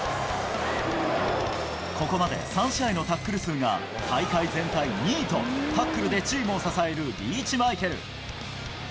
ここまで３試合のタックル数が大会全体２位と、タックルでチームを支えるリーチマイケル。